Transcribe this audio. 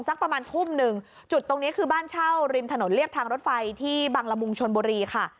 สักประมาณทุ่มหนึ่งจุดตรงนี้คือบ้านเช่าริมถนนเรียบทางรถไฟที่บังละมุงชนบุรีค่ะ